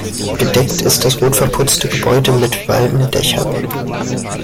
Gedeckt ist das rot verputzte Gebäude mit Walmdächern.